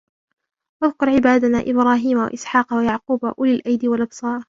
واذكر عبادنا إبراهيم وإسحاق ويعقوب أولي الأيدي والأبصار